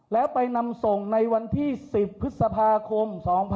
แล้วไปนำส่งในวันที่๑๐พฤษภาคม๒๕๖๒